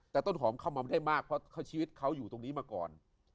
แต่ต้นหอมเข้ามาไม่ได้มากเพราะชีวิตเขาอยู่ตรงนี้มาก่อน